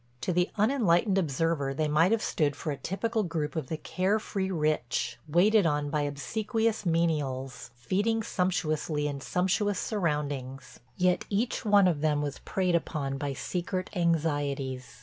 To the unenlightened observer they might have stood for a typical group of the care free rich, waited on by obsequious menials, feeding sumptuously in sumptuous surroundings. Yet each one of them was preyed upon by secret anxieties.